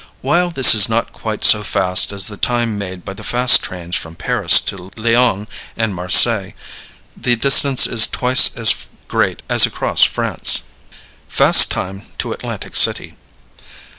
While this is not quite so fast as the time made by the fast trains from Paris to Lyons and Marseilles, the distance is twice as great as across France. Fast Time to Atlantic City.